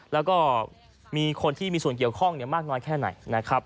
แล้วก็มีคนที่มีส่วนเกี่ยวข้องมากน้อยแค่ไหนนะครับ